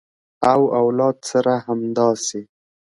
او اولاد سره همداسې